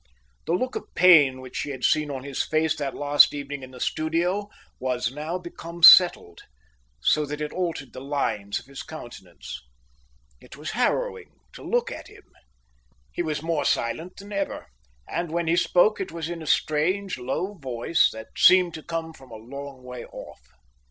The look of pain which she had seen on his face that last evening in the studio was now become settled, so that it altered the lines of his countenance. It was harrowing to look at him. He was more silent than ever, and when he spoke it was in a strange low voice that seemed to come from a long way off.